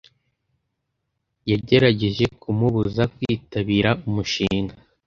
Yagerageje kumubuza kwitabira umushinga.